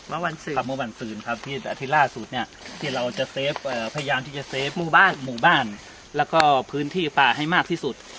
เมื่อวันฟื้นครับที่ล่าสุดเนี่ยที่เราจะเฟฟพยายามที่จะเซฟหมู่บ้านแล้วก็พื้นที่ป่าให้มากที่สุด